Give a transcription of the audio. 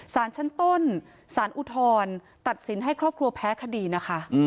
สารชั้นต้นสารอุทธรณ์ตัดสินให้ครอบครัวแพ้คดีนะคะ